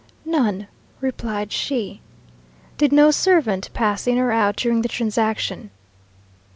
"None," replied she. "Did no servant pass in or out during the transaction?"